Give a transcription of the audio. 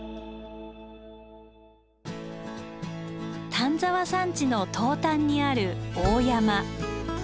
丹沢山地の東端にある大山。